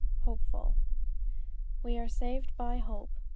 HOPEFUL "We are saved by hope."